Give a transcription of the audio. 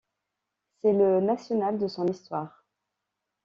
C'est le national de son histoire.